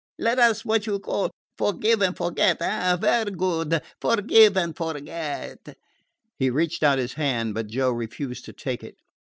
Let us what you call forgive and forget, eh? Vaire good; forgive and forget." He reached out his hand, but Joe refused to take it.